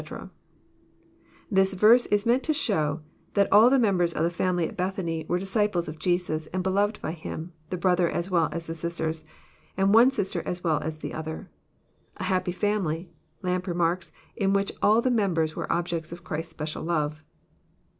] This verse is meant to show that all the members of the family at B'^thany were disciples of Jesus and beloved by Him, the brother as well as the sisters, and one sister as well as the other. A happy family, Lampe remarks, in which all the members were objects of Christ's special love.